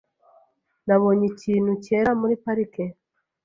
Nabonye ikintu cyera muri parike .